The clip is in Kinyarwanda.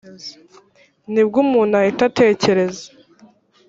ni bwo umuntu ahita atekereza